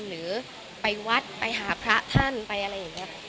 หรือไปวัดไปหาพระท่านไปอะไรอย่างนี้